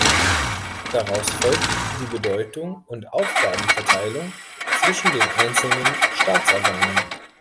Daraus folgt die Bedeutung und Aufgabenverteilung zwischen den einzelnen Staatsorganen.